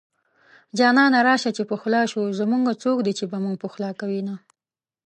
جانانه راشه چې پخلا شو زمونږه څوک دي چې به مونږ پخلا کوينه